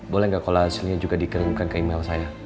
boleh nggak kalau hasilnya juga dikirimkan ke email saya